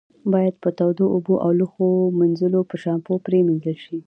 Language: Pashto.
باید په تودو اوبو او د لوښو منځلو په شامپو پرېمنځل شي.